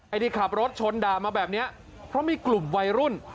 ที่ขับรถชนด่ามาแบบนี้เพราะมีกลุ่มวัยรุ่น